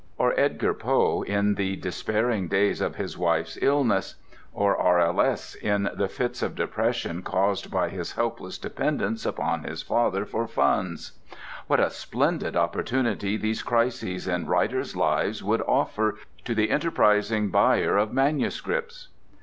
Or Edgar Poe in the despairing days of his wife's illness. Or R.L.S. in the fits of depression caused by his helpless dependence upon his father for funds. What a splendid opportunity these crises in writers' lives would offer to the enterprising buyer of manuscripts!